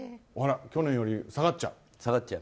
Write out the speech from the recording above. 去年より下がっちゃう。